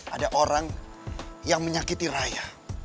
ada orang yang menyakiti raya